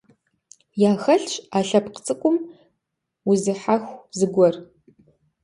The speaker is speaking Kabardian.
Яхэлъщ а лъэпкъ цӀыкӀум узыхьэху зыгуэр.